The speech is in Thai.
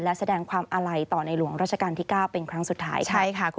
และแสดงความอาลัยต่อในหลวงราชการที่๙เป็นครั้งสุดท้ายค่ะ